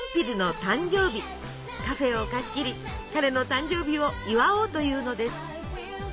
カフェを貸し切り彼の誕生日を祝おうというのです。